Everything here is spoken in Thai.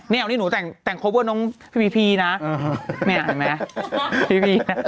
นี่หนูแต่งโคเวอร์น้องพี่พีพีนะไม่อ่านเหรอพี่พีพี